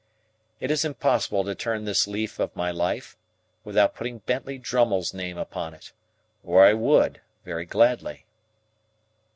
It is impossible to turn this leaf of my life, without putting Bentley Drummle's name upon it; or I would, very gladly.